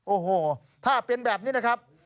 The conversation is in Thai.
โอ้โหถ้าเป็นแบบนี้นะครับ